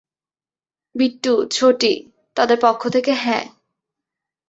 বিট্টো, ছোটি, তাদের পক্ষ থেকে, হ্যাঁঁ।